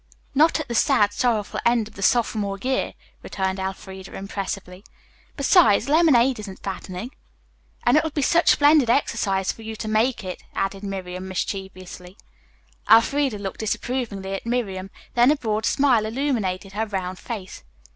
"Not at the sad, sorrowful end of the sophomore year," returned Elfreda, impressively. "Besides, lemonade isn't fattening." "And it will be such splendid exercise for you to make it," added Miriam mischievously. Elfreda looked disapprovingly at Miriam, then a broad smile illuminated her round face.